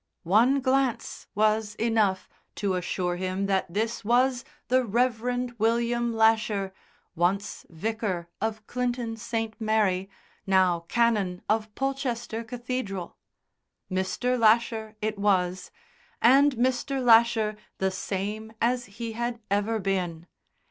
One glance was enough to assure him that this was the Rev. William Lasher, once Vicar of Clinton St. Mary, now Canon of Polchester Cathedral. Mr. Lasher it was, and Mr. Lasher the same as he had ever been.